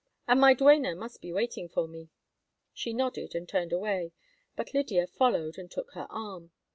And my duenna must be waiting for me." She nodded and turned away, but Lydia followed and took her arm.